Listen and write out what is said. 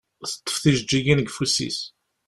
Teṭṭef tijeǧǧigin deg ufus-is.